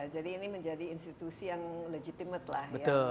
jadi ini menjadi institusi yang legitimate lah ya